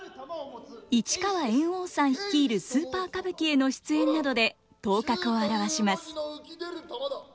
市川猿翁さん率いるスーパー歌舞伎への出演などで頭角を現します。